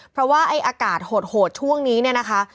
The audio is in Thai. เพราะว่าไอ้อากาศโหดช่วงนี้เนี่ยนะคะ